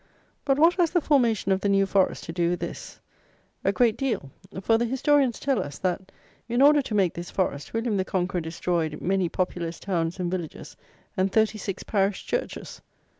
But what has the formation of the New Forest to do with this? A great deal; for the historians tell us that, in order to make this Forest, William the Conqueror destroyed "many populous towns and villages, and thirty six parish churches!"